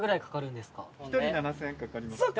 １人７，０００円かかります。